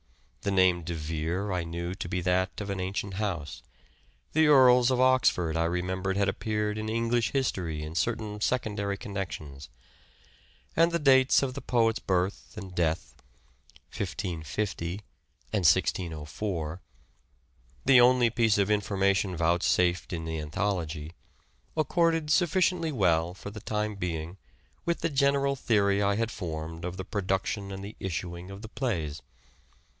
The name De Vere I knew to be that of an ancient house ; the Earls of Oxford I remembered had appeared in English history in certain secondary connections ; and the dates of the poet's birth and death (1550 and 1604), the only piece of information vouchsafed in the anthology, accorded sufficiently well, for the time being, with the general theory I had formed of the production and the issuing of the plays.